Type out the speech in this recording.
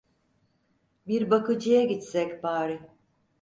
Bir bakıcıya gitsek bari…